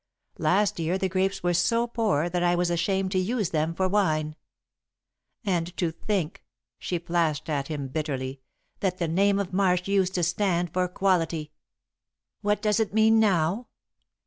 Last year the grapes were so poor that I was ashamed to use them for wine. And to think," she flashed at him, bitterly, "that the name of Marsh used to stand for quality! What does it mean now?